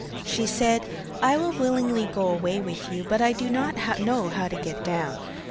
She said: 'I will willingly go away with you, but I do not know how to get down.